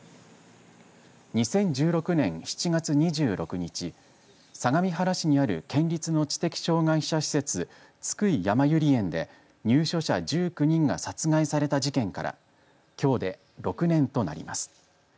２０１６年７月２６日相模原市にある県立の知的障害者施設津久井やまゆり園で入所者１９人が殺害された事件からきょうで６年となります。